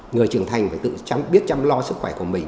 người trưởng thành phải tự chăm biết chăm lo sức khỏe của mình